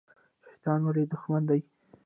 شیطان ولې دښمن دی؟